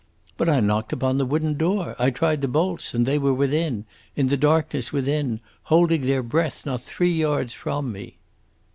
"But I knocked upon the wooden door, I tried the bolts; and they were within in the darkness within, holding their breath not three yards from me."